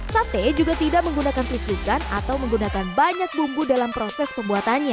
sate juga tidak menggunakan tris ikan atau menggunakan banyak bumbu dalam proses pembuatannya